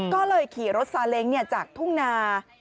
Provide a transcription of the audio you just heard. ก็เลยขี่รถซาเล้งจากทุ่งนา